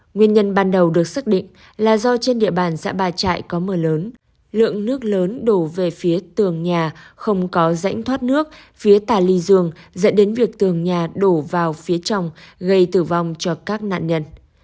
nguyên nhân ban đầu được xác định là do trên địa bàn xã ba trại có mưa lớn lượng nước lớn đổ về phía tường nhà không có rãnh thoát nước phía tà ly dương dẫn đến việc tường nhà đổ vào phía trong gây tử vong cho các nạn nhân